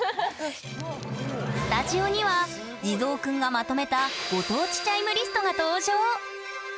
スタジオには地蔵くんがまとめたご当地チャイムリストが登場！